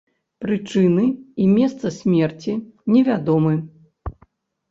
Прычыны і месца смерці не вядомы.